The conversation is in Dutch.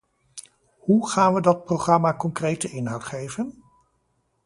Hoe gaan we dat programma concrete inhoud geven?